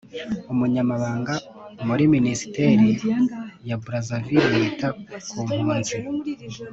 umunyamabanga muri Minisiteri ya Brazzaville yita ku mpunzi